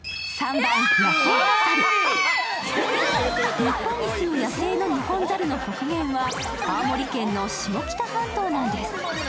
日本に住む野生のニホンザルの北限は青森県の下北半島なんです。